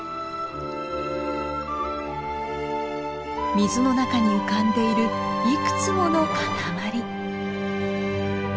水の中に浮かんでいるいくつもの塊。